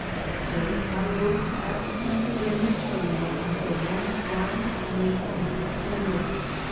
So I worked at the Pennsylvania Terminal until one Friday late in September.